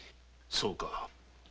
そうか。